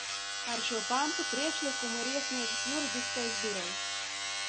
Par šo pantu priekšlikumu ir iesniedzis Juridiskais birojs.